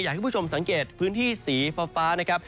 ให้คุณผู้ชมสังเกตพื้นที่สีฟ้านะครับ